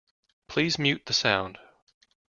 Please mute the sound.